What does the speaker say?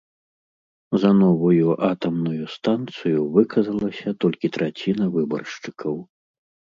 За новую атамную станцыю выказалася толькі траціна выбаршчыкаў.